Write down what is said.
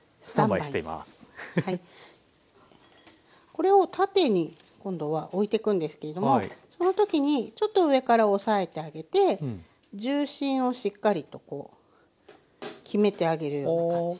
これを縦に今度は置いてくんですけれどもその時にちょっと上から押さえてあげて重心をしっかりとこう決めてあげるような感じ。